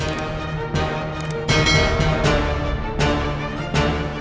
itu dia si pianat